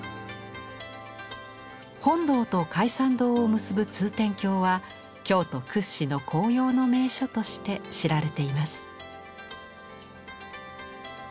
本堂と開山堂を結ぶ通天橋は京都屈指の紅葉の名所として知られています。